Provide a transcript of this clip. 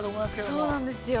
◆そうなんですよ。